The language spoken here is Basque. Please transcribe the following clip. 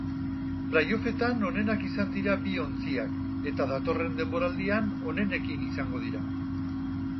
Play offetan onenak izan dira bi ontziak eta datorren denboraldian onenekin izango dira.